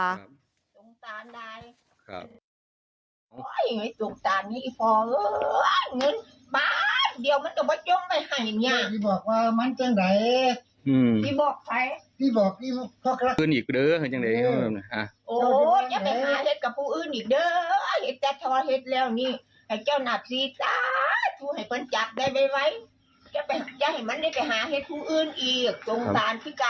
แกเห็นมันได้ไปหาเหตุผู้อื่นอีกจงตานพิกันไปเหตุภัยกับจงตานเนี้ยผู้เถาเนาะ